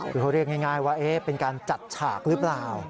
คือเขาเรียกง่ายว่าเป็นการจัดฉากหรือเปล่า